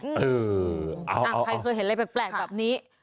ใครเคยเห็นอะไรแปลกแบบนี้